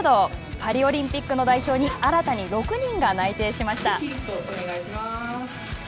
パリオリンピックの代表に新たに６人が内定しました。